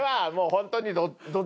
ホントに。